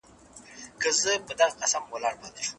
درد او کړاو یوازې د ژوند له امله دی.